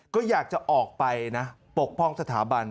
ก็อยากจะออกไปนะปกป้องสถาบัน